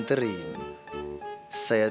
itu si apa